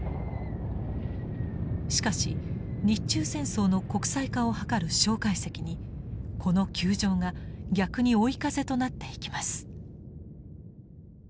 しかし日中戦争の国際化を図る介石にこの窮状が逆に追い風となっていきます。